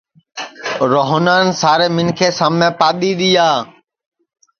روہنان سارے منکھیں سامے پادؔی دؔیا